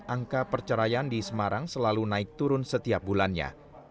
angka perceraian di semarang selalu naik turun setiap bulannya